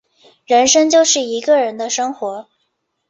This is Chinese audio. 人生就是一个人的生活